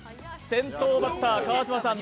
先頭バッター川島さん